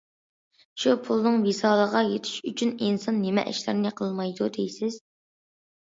شۇ پۇلنىڭ ۋىسالىغا يېتىش ئۈچۈن ئىنسان نېمە ئىشلارنى قىلمايدۇ دەيسىز؟!